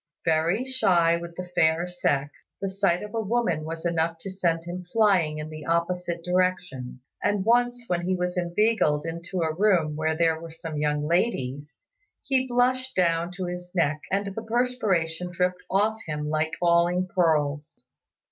Very shy with the fair sex, the sight of a woman was enough to send him flying in the opposite direction; and once when he was inveigled into a room where there were some young ladies, he blushed down to his neck and the perspiration dripped off him like falling pearls.